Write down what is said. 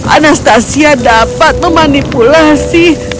anastasia dapat memanipulasi